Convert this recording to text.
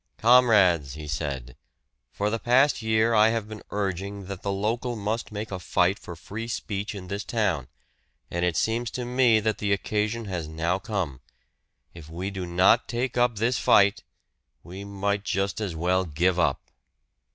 "Comrades," he said, "for the past year I have been urging that the local must make a fight for free speech in this town. And it seems to me that the occasion has now come. If we do not take up this fight, we might just as well give up."